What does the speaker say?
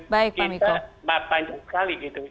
dan kita panjang sekali gitu